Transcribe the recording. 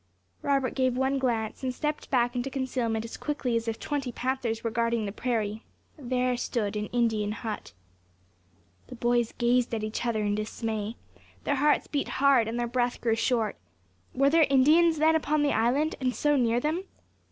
Robert gave one glance, and stepped back into concealment as quickly as if twenty panthers were guarding the prairie. There stood an Indian hut. The boys gazed at each other in dismay; their hearts beat hard, and their breath grew short. Were there Indians then upon the island, and so near them?